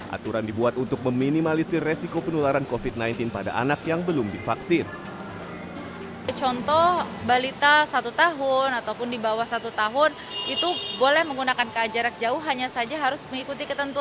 aturan dibuat untuk meminimalisir resiko penularan covid sembilan belas pada anak yang belum divaksin